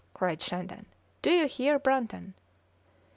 cried Shandon. "Do you hear, Brunton?"